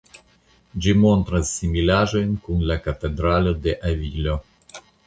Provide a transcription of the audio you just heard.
Ĝi montras similaĵojn kun la Katedralo de Avilo.